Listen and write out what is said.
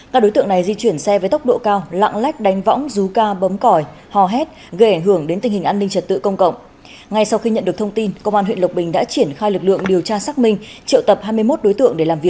các đối tượng này di chuyển xe với tốc độ cao lạng lách đánh võng rú ca bấm còi hò hét gây ảnh hưởng đến tình hình an ninh trật tự công cộng